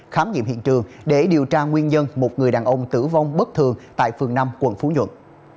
khám nghiệm hiện trường để điều tra nguyên nhân một người đàn ông tử vong bất thường tại phường năm quận phú nhuận